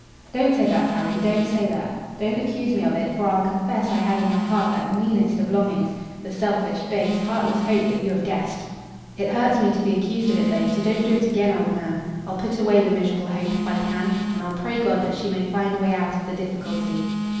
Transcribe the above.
"Don't say that, Harry, don't say that. Don't accuse me of it, for I'll confess I had in my heart that meanest of longings the selfish, base, heartless hope that you have guessed. It hurts me to be accused of it though, so don't do it again, old man. I'll put away the miserable hope, if I can, and I'll pray God that she may find a way out of the difficulty."